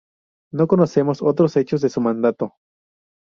No conocemos otros hechos de su mandato.